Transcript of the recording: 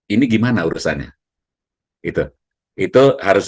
ini gimana urusannya itu harus dia tagih ke penjual